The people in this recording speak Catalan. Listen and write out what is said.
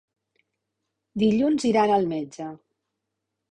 Dilluns iran al metge.